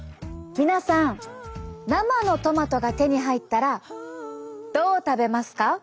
皆さん生のトマトが手に入ったらどう食べますか？